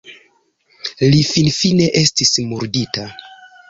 Li finfine estis murdita.